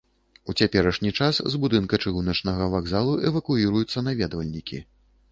У цяперашні час з будынка чыгуначнага вакзалу эвакуіруюцца наведвальнікі.